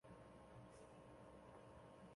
有明是东京都江东区的地名。